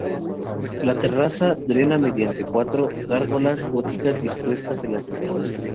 La terraza drena mediante cuatro gárgolas góticas dispuestas en las esquinas.